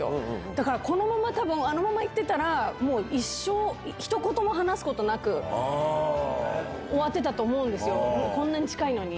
だから、このままたぶん、あのままいってたら、もう一生、ひと言も話すことなく、終わってたと思うんですよ、こんなに近いのに。